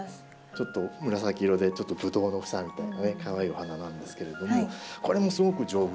ちょっと紫色でちょっとブドウの房みたいなねかわいいお花なんですけれどもこれもすごく丈夫で。